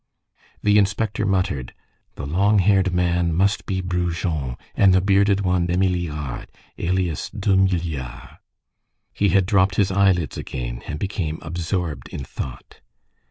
The inspector muttered:— "The long haired man must be Brujon, and the bearded one Demi Liard, alias Deux Milliards." He had dropped his eyelids again, and became absorbed in thought.